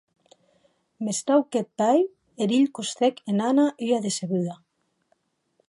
Mès, tau qu'eth pair, eth hilh costèc en Anna ua decebuda.